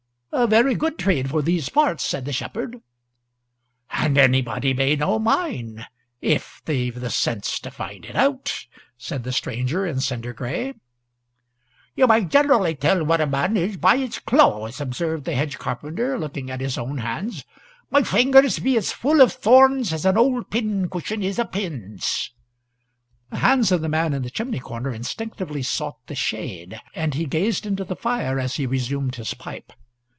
"A very good trade for these parts," said the shepherd. "And anybody may know mine if they've the sense to find it out," said the stranger in cinder gray. "You may generally tell what a man is by his claws," observed the hedge carpenter, looking at his hands. "My fingers be as full of thorns as an old pincushion is of pins." The hands of the man in the chimney corner instinctively sought the shade, and he gazed into the fire as he resumed his pipe.